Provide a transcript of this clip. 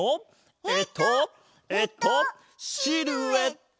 えっとえっとシルエット！